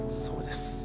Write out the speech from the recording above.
そうです。